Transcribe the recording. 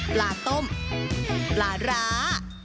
ปลาต้มปลาร้า